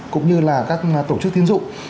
cũng như là các tổ chức tiến dụng